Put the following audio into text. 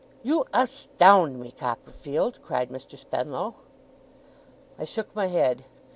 'You as tound me, Copperfield!' cried Mr. Spenlow. I shook my head.